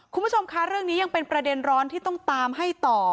คุณผู้ชมคะเรื่องนี้ยังเป็นประเด็นร้อนที่ต้องตามให้ต่อ